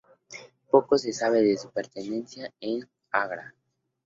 Poco se sabe de su permanencia en Agra.